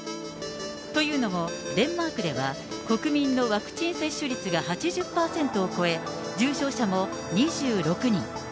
というのも、デンマークでは国民のワクチン接種率が８０％を超え、重症者も２６人。